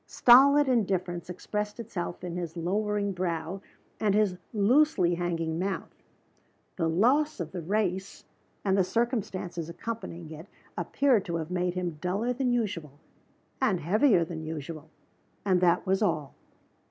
Stolid indifference expressed itself in his lowering brow and his loosely hanging mouth. The loss of the race, and the circumstances accompanying it, appeared to have made him duller than usual and heavier than usual and that was all.